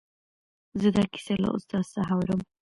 زه دا کیسه له استاد څخه اورم.